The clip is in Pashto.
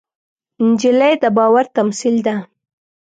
نجلۍ د باور تمثیل ده.